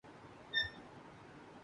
وہ داکٹر ہے